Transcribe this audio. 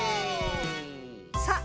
さあ